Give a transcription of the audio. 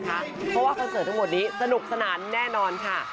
เพราะว่าคอนเสิร์ตทั้งหมดนี้สนุกสนานแน่นอนค่ะ